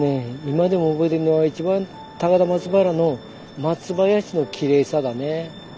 今でも覚えてんのは一番高田松原の松林のきれいさだね。